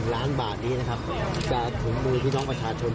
ล้านบาทนี้นะครับจะถึงมือพี่น้องประชาชน